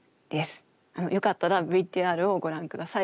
よかったらＶＴＲをご覧下さい。